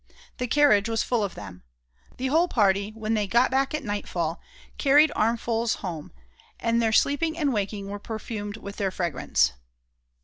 The carriage was full of them. The whole party, when they got back at nightfall, carried armfuls home, and their sleeping and waking were perfumed with their fragrance.